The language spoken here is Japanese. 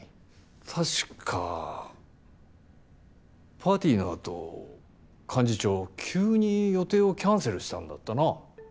確かパーティーのあと幹事長急に予定をキャンセルしたんだったな？